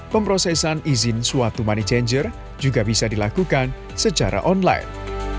pemprosesan izin suatu money changer juga bisa dilakukan secara online